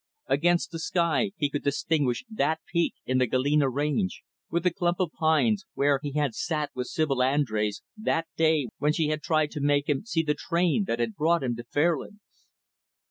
Against the sky, he could distinguish that peak in the Galena range, with the clump of pines, where he had sat with Sibyl Andrés that day when she had tried to make him see the train that had brought him to Fairlands.